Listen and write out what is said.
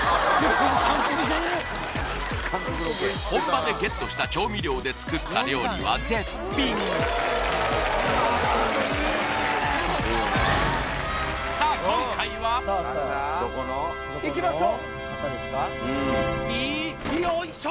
本場でゲットした調味料で作った料理は絶品さあ今回は？いきましょういよいしょ！